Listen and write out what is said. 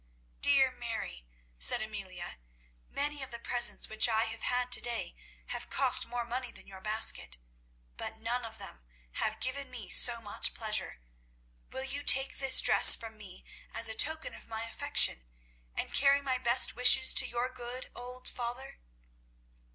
"Dear Mary," said Amelia, "many of the presents which I have had to day have cost more money than your basket, but none of them have given me so much pleasure. Will you take this dress from me as a token of my affection, and carry my best wishes to your good old father?"